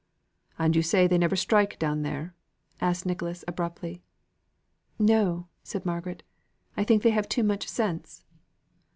"And yo say they never strike down there?" asked Nicholas abruptly. "No!" said Margaret; "I think they have too much sense."